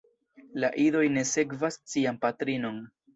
La idoj ne sekvas sian patrinon.